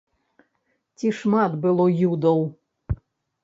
Ці шмат было юдаў?